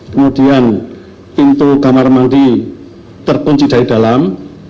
kemudian pintu kamar mandi terkunci dari dalam